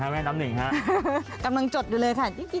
แม่น้ำหนึ่งฮะกำลังจดอยู่เลยค่ะ